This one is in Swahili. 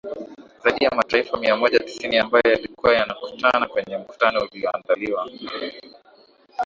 zaidi ya mataifa mia moja tisini ambayo yalikuwa yanakutana kwenye mkutano ulioandaliwa